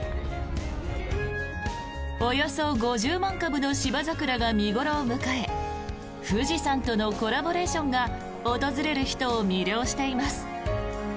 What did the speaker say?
およそ５０万株のシバザクラが見頃を迎え富士山とのコラボレーションが訪れる人を魅了しています。